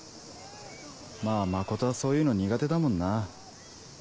まぁ真琴はそういうの苦手だもんな。